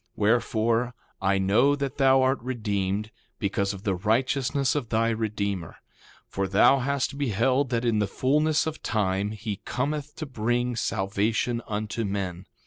Wherefore, I know that thou art redeemed, because of the righteousness of thy Redeemer; for thou hast beheld that in the fulness of time he cometh to bring salvation unto men.